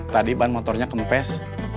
tadi ban motornya kempes